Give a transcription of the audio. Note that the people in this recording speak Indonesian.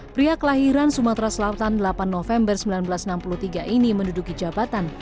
pria kelahiran sumatera selatan delapan november seribu sembilan ratus enam puluh tiga ini menduduki jabatan